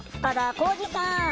晃司さん！